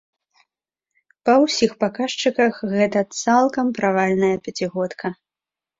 Па ўсіх паказчыках гэта цалкам правальная пяцігодка.